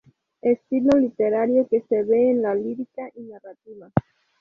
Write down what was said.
Estilo literario que se ve en la lírica y narrativa.